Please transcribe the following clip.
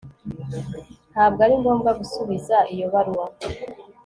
Ntabwo ari ngombwa gusubiza iyo baruwa